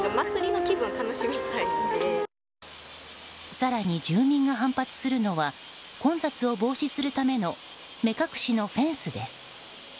更に、住民が反発するのは混雑を防止するための目隠しのフェンスです。